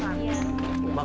terima kasih pak